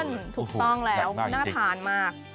ถูกต้องแล้วน่าทานมาก